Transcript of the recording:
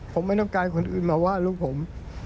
ผมไม่ต้องการคนอื่นมาว่าลูกผม